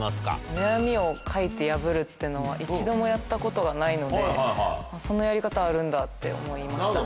悩みを書いて破るっていうのは一度もやったことがないのでそんなやり方あるんだって思いましたね。